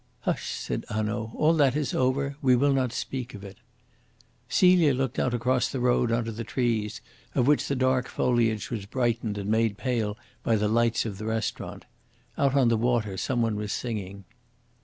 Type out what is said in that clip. "Hush!" said Hanaud "all that is over; we will not speak of it." Celia looked out across the road on to the trees, of which the dark foliage was brightened and made pale by the lights of the restaurant. Out on the water some one was singing.